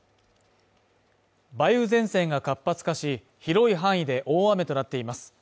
梅雨前線が活発化し、広い範囲で大雨となっています。